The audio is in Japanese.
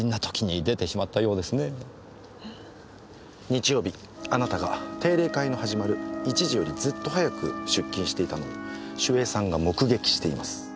日曜日あなたが定例会の始まる１時よりずっと早く出勤していたのを守衛さんが目撃しています。